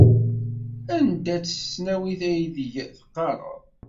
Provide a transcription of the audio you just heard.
Anda-tt tesnawit aydeg teqqareḍ?